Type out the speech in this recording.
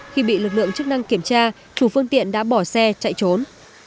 khi bị lực lượng chức năng kiểm tra chủ phương tiện đã bỏ xe chạy trốn